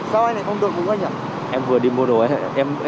sao anh lại không đội mũ anh ạ